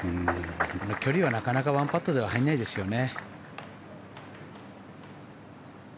あの距離はなかなか１パットでは入らないですよね。